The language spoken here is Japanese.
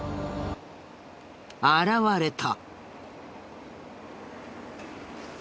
現れた。